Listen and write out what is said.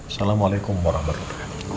assalamualaikum warahmatullahi wabarakatuh